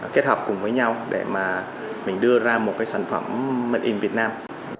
kết hợp cùng với nhau để mà mình đưa ra một cái sản phẩm made in việt nam